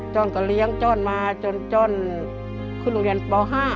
้อนก็เลี้ยงจ้อนมาจนจ้อนขึ้นโรงเรียนป๕